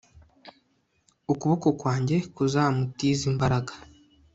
ukuboko kwanjye kuzamutize imbaraga